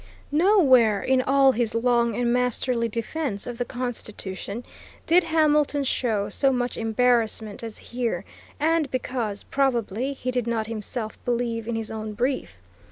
Nowhere in all his long and masterly defence of the Constitution did Hamilton show so much embarrassment as here, and because, probably, he did not himself believe in his own brief.